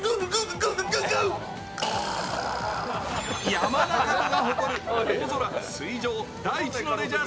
山中湖が誇る大空、水上、大地のレジャー